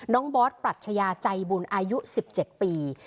บอสปรัชญาใจบุญอายุ๑๗ปี